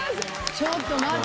ちょっと待って。